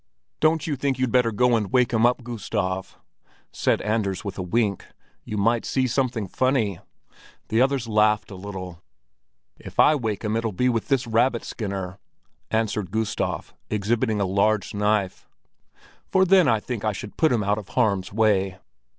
"Don't you think you'd better go up and wake him, Gustav?" said Anders with a wink. "You might see something funny." The others laughed a little. "If I wake him, it'll be with this rabbit skinner," answered Gustav, exhibiting a large knife. "For then I think I should put him out of harm's way."